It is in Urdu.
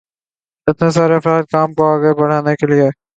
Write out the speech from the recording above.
اتنے سارے افراد کام کو آگے بڑھانے کے لیے آ گئے، دل خوش ہو گیا۔